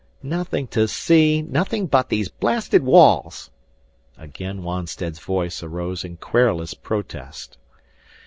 "Nothing to see nothing but these blasted walls!" Again Wonstead's voice arose in querulous protest.